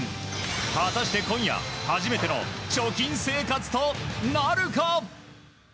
果たして今夜初めての貯金生活となるか。